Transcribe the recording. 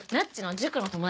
塾の友達？